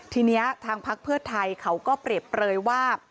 ทีนี้ทางพักเพื่อไทยเขาก็เปรียบเปลยว่า